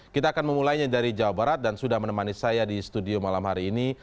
kita akan memulainya dari jawa barat dan sudah menemani saya di studio malam hari ini